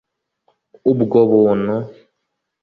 Ubwo buntu’